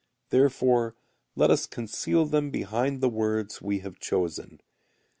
Therefore let us conceal them behind the words we have chosen.